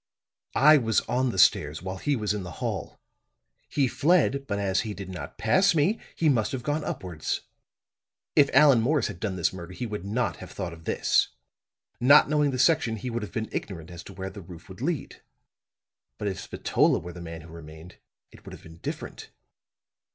I was on the stairs while he was in the hall. He fled, but as he did not pass me, he must have gone upwards. If Allan Morris had done this murder he would not have thought of this; not knowing the section, he would have been ignorant as to where the roof would lead. But if Spatola were the man who remained, it would have been different.